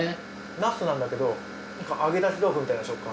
ナスなんだけど揚げ出し豆腐みたいな食感。